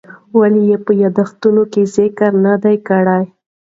ولې یې په یادښتونو کې ذکر نه دی کړی؟